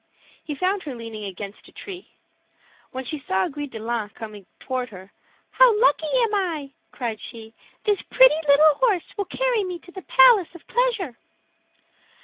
He found her leaning against a tree. When she saw Gris de line coming toward her, "How lucky am I!" cried she; "this pretty little horse will carry me to the palace of pleasure."